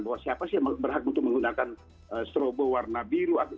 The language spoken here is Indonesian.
bahwa siapa sih yang berhak untuk menggunakan strobo warna biru